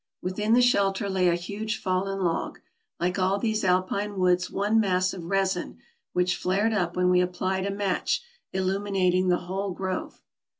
Within the shelter lay a huge fallen log, like all these alpine woods one mass of resin, which flared up when we applied a match, illuminating the whole grove.